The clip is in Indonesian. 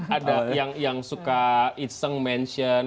ada yang suka iseng mention